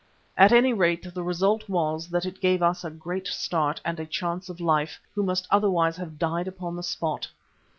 At any rate the result was that it gave us a great start and a chance of life, who must otherwise have died upon the spot.